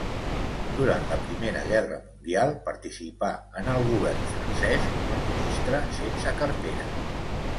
Durant la Primera Guerra Mundial participà en el govern francès com a ministre sense cartera.